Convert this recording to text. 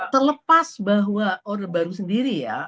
terlepas bahwa orde baru sendiri ya